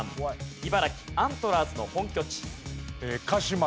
茨城アントラーズの本拠地。